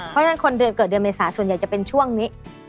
เพราะฉะนั้นคนเดือนเกิดเดือนเมษาส่วนใหญ่จะเป็นช่วงนี้